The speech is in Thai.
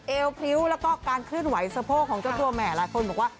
เอวพริ้วแล้วก็การเคลื่อนไหวสะโพกของเจ้าตัวแหมหลายคนบอกว่า